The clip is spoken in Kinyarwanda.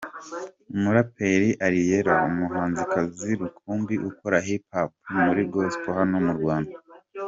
Umuraperi Ariella, umuhanzikazi rukumbi ukora Hip Hop muri Gospel hano mu Rwanda.